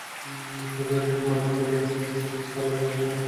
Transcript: সরকারের ভেতর মালিকদের লোকই বেশি, ফলে তাদের ওপর রাজনৈতিক চাপ কম।